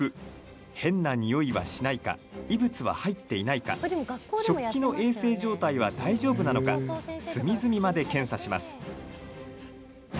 変なにおいはしないか異物は入っていないか食器の衛生状態は大丈夫なのか隅々まで検査します。